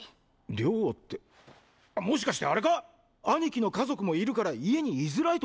寮ってもしかしてアレか⁉兄貴の家族もいるから家に居づらいとか？